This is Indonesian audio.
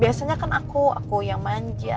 biasanya kan aku aku yang manja